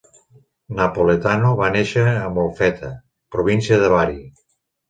Napoletano va néixer a Molfetta, província de Bari.